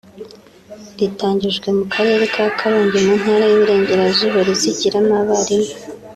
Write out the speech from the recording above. ritangijwe mu karere ka Karongi mu Ntara y’i Burengerazuba rizigiramo abarimu